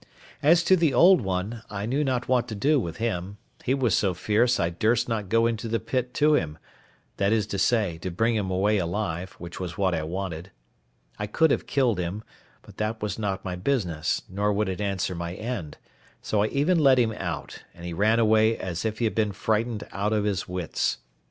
As to the old one, I knew not what to do with him; he was so fierce I durst not go into the pit to him; that is to say, to bring him away alive, which was what I wanted. I could have killed him, but that was not my business, nor would it answer my end; so I even let him out, and he ran away as if he had been frightened out of his wits.